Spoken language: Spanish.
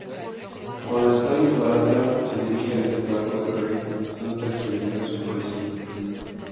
Cuando Stannis Baratheon se dirige a Desembarco del Rey, Sansa experimenta su florecimiento.